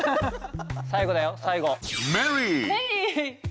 最後だよ最後。